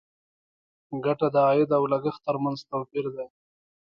ګټه د عاید او لګښت تر منځ توپیر دی.